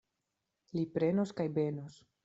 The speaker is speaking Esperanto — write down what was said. Li prenos kaj benos.